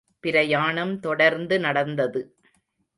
பிரயாணம் தொடர்ந்து நடந்தது.